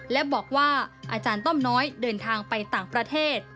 และบอกว่าอาจารย์ต้อมน้อยเดินทางไปต่างประเทศ